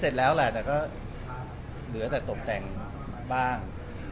แต่ก็เหลือแต่ตกแต่งบ้าง